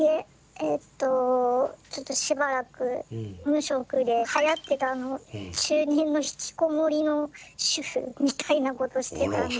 えっとちょっとしばらく無職ではやってた中年のひきこもりの主婦みたいなことしてたんで。